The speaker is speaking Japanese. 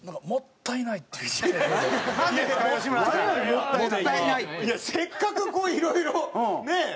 もったいないなと思って。